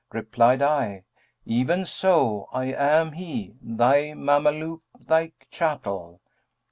Replied I, 'Even so! I am he, thy Mameluke, thy chattel.'